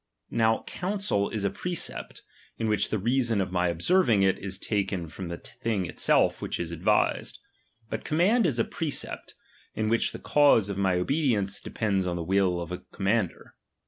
Now counsel is a precept, chap, xiv. in which the reason of my obeying it is taken ''' from the thing itself which is advised; but com ma/id is a precept, in which the cause of my obe dience depends on the will of the commander.